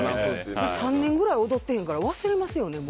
３年ぐらい踊ってへんから忘れるよね。